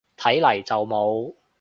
睇嚟就冇